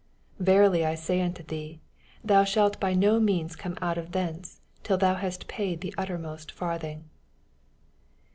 26 Verily I say unto thee. Thou shalt by no means come out thence, till thou hast paid the uttermost f&rthing.